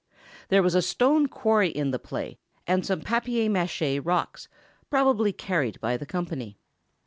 There was a stone quarry in the play, and some papier maché rocks, probably carried by the company.